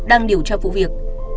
đang điều tra vụ việc